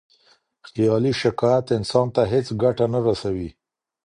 خیالي شکایت انسان ته هیڅ ګټه نه رسوي.